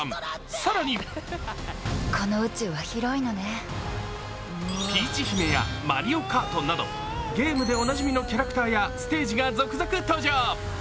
更にピーチ姫やマリオカートなどゲームでおなじみのキャラクターやステージが続々登場。